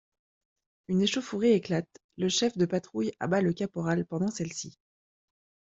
Une échauffourée éclate, le chef de patrouille abat le caporal pendant celle-ci.